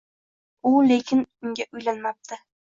U lekin unga uylanmabdi.